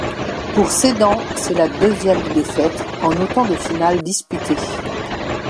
Pour Sedan, c'est la deuxième défaite en autant de finales disputées.